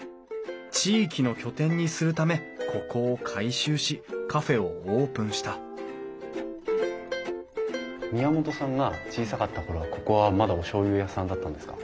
地域の拠点にするためここを改修しカフェをオープンした宮本さんが小さかった頃はここはまだおしょうゆ屋さんだったんですか？